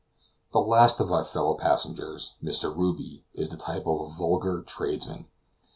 The last of our fellow passengers, Mr. Ruby, is the type of a vulgar tradesman.